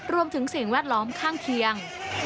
รวมถึงเสียงแวดล้อมข้างเคียง